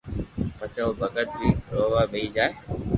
پسي او بگت بي رووا ٻيئي جائي